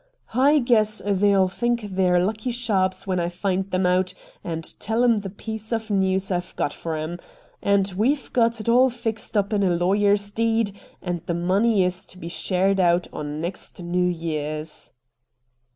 I guess they'll think they're lucky sharps when I find them out and tell 'em the piece of news I've got for *em. And we've got it all fixed up in a lawyer's deed, and the money is to be shared out on next New Year's.'